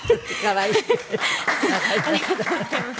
ありがとうございます。